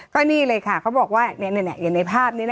ก็นี่เลยค่ะเขาบอกว่าอย่างในภาพนี้